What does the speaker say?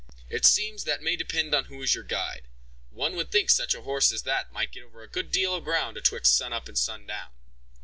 "It seems that may depend on who is your guide. One would think such a horse as that might get over a good deal of ground atwixt sun up and sun down."